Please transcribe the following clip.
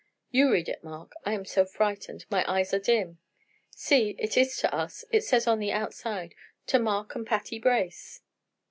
"You read it, Mark. I am so frightened, my eyes are dim. See, it is to us; it says on the outside 'TO MARK AND PATTY BRACE.'"